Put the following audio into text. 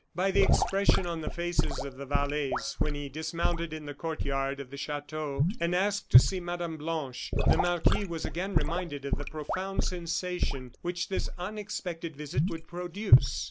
By the expression on the faces of the valets when he dismounted in the court yard of the chateau and asked to see Mme. Blanche, the marquis was again reminded of the profound sensation which this unexpected visit would produce.